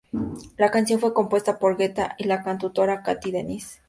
La canción fue compuesta por Guetta y la cantautora Cathy Dennis.